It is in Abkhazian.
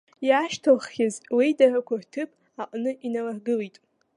Иаашьҭылххьаз леидарақәа рҭыԥ аҟны иналыргылеит.